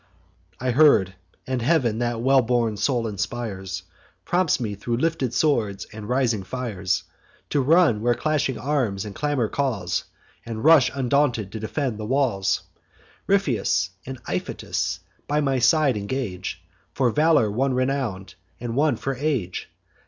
"I heard; and Heav'n, that well born souls inspires, Prompts me thro' lifted swords and rising fires To run where clashing arms and clamour calls, And rush undaunted to defend the walls. Ripheus and Iph'itas by my side engage, For valour one renown'd, and one for age.